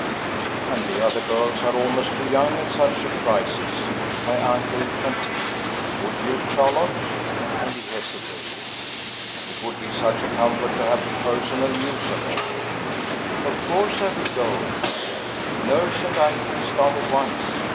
"And the other girls are almost too young at such a crisis," my uncle continued. "Would you, Charlotte " and he hesitated. "It would be such a comfort to have personal news of her." "Of course I will go," I said. "Nurse and I can start at once.